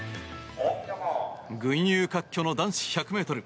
群雄割拠の男子１００ｍ。